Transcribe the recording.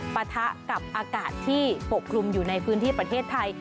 ปะทะกับอากาศที่ปกคลุมอยู่ในพื้นที่ประเทศไทย